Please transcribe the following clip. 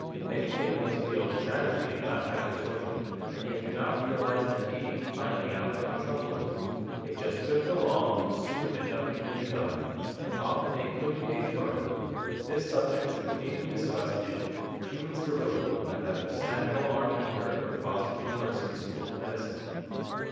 Many families feel the tragedy of not having children, and yet do not realize the need of finding out what the trouble is. They just drift along, assuming that nothing can be done, and often they could be made fertile. This subject is ably discussed in Human Sterility by Dr. Samuel R. Meaker of the Boston University School of Medicine.